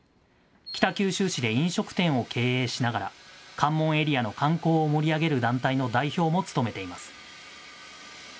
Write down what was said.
北九州市で飲食店を経営しながら、関門エリアの観光を盛り上げる団体の代表も務めています。